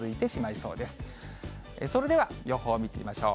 それでは予報を見てみましょう。